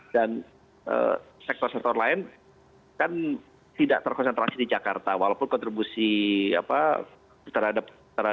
dan sektor sektor lain kan tidak terkonsentrasi di jakarta walaupun kontribusi terhadap indonesia paling tinggi jakarta